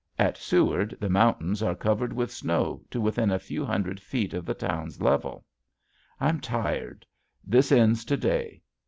At Seward the mountains are covered with snow to within a few hundred feet of the town's level. I'm tired. This ends to day.